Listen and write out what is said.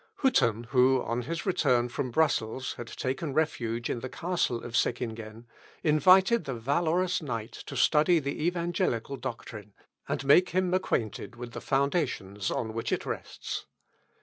Hütten, who, on his return from Brussels, had taken refuge in the castle of Seckingen, invited the valorous knight to study the evangelical doctrine, and made him acquainted with the foundations on which it rests.